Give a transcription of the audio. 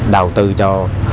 đầu tư cho